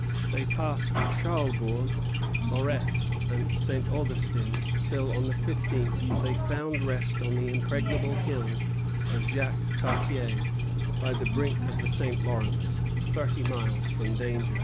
They passed Charlesbourg, Lorette, and St. Augustin, till, on the fifteenth, they found rest on the impregnable hill of Jacques Cartier, by the brink of the St. Lawrence, thirty miles from danger.